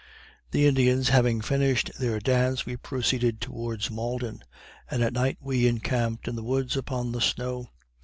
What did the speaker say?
The Indians having finished their dance, we proceeded towards Malden, and at night we encamped in the woods upon the snow.